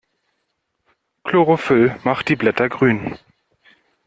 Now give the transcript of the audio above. Chlorophyll macht die Blätter grün.